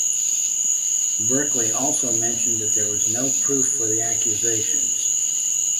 Berkeley also mentioned that there was no proof for the accusations.